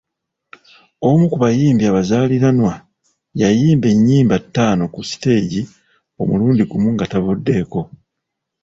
Omu ku bayimbi abazaaliranwa yayimba ennyimba ttaano ku siteegi omulundi gumu nga tavuddeeko.